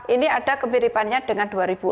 ini ada kemiripannya dengan dua ribu enam belas